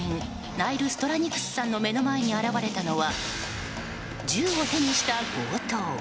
ナイル・ストラニクスさんの目の前に現れたのは銃を手にした強盗。